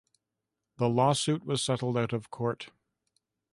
The lawsuit was settled out of court.